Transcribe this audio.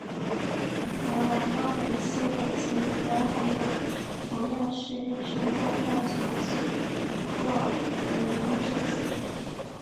和蓝光人系列齐名的还有同样是日升动画所制作的勇者系列。